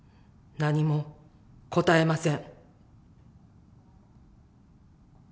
何も答えません。